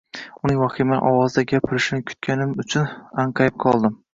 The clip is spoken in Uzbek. Uning vahimali ovozda gapirishini kutganim uchun anqayib qoldim